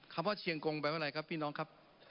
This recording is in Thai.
คำว่าเชียงกงแปลว่าอะไรครับพี่น้องครับ